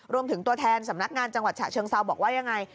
รวมถึงตัวแทนสำนักงานจังหวัดฉะเชิงเซาบอกว่ายังไง